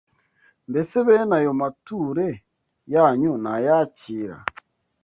Mbese bene ayo mature yanyu nayakira?